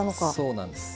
そうなんです。